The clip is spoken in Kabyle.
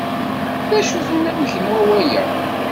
D acu-t unamek n wawal-a?